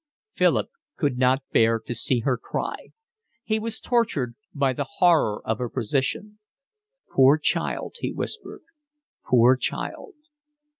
Philip could not bear to see her cry. He was tortured by the horror of her position. "Poor child," he whispered. "Poor child."